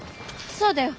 そうだよ。